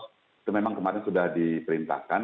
itu memang kemarin sudah diperintahkan